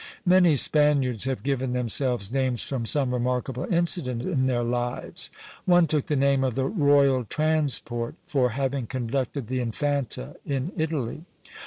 Many Spaniards have given themselves names from some remarkable incident in their lives. One took the name of the Royal Transport, for having conducted the Infanta in Italy.